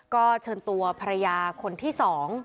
ก็เชิญตัวภรรยาคนที่สุราชธานีค่ะ